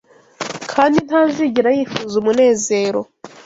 kandi ntazigera yifuza umunezero